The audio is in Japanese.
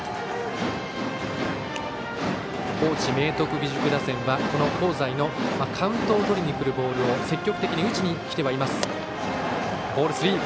高知・明徳義塾打線は、香西のカウントをとりにくるボールを積極的に打ちにきてはいます。